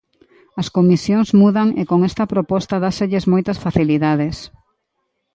As comisións mudan e con esta proposta dáselles moitas facilidades.